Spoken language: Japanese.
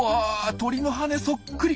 鳥の羽根そっくり。